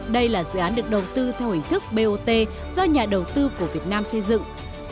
đây là dự án được đầu tư theo hình thức bot do nhà đầu tư của việt nam xây dựng